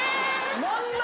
まんま！